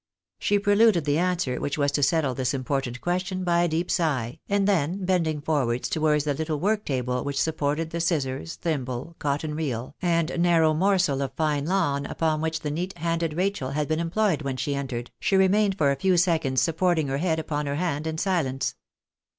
She preluded the answer which was to settle this important question by a deep sigh, and then bending forwards towards the little work table which supported the scissors, thimble, cotton reel, and narrow morsel of fine lawn upon which the neat handed Rachel had been employed when she entered, she remained for a few seconds supporting her head upon her hand in silence.